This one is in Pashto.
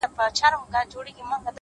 د تجربې درس تر نصیحت ژور وي!